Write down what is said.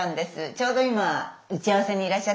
ちょうど今打ち合わせにいらっしゃったので。